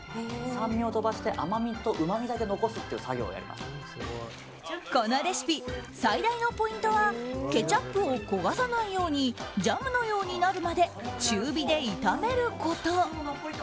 酸味を飛ばして甘みとうまみだけ残すというこのレシピ、最大のポイントはケチャップを焦がさないようにジャムのようになるまで中火で炒めること。